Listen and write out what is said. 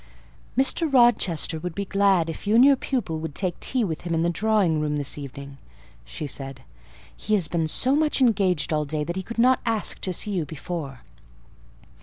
"Mr. Rochester would be glad if you and your pupil would take tea with him in the drawing room this evening," said she: "he has been so much engaged all day that he could not ask to see you before."